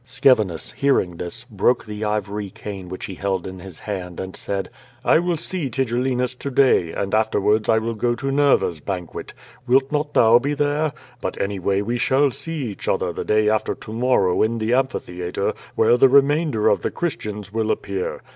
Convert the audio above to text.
'" Scevinus, hearing this, broke the ivory cane which he held in his hand, and said, "I will see Tigellinus to day, and after wards I will go to Nerva's banquet. Will not thou be there? But anyway we shall see each other the day after to morrow in the amphitheatre, where the remainder of the Christians will appear.